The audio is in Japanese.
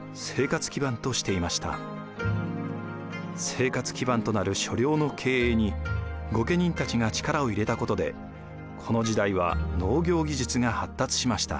生活基盤となる所領の経営に御家人たちが力を入れたことでこの時代は農業技術が発達しました。